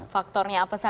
faktornya apa saja gitu kan